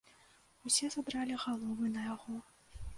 Усе задралі галовы на яго.